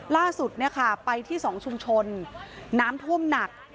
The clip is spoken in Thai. ล่าสุดไปที่๒ชุมชนน้ำท่วมหนัก